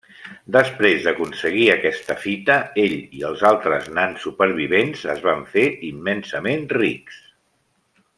Després d'aconseguir aquesta fita, ell i els altres nans supervivents es van fer immensament rics.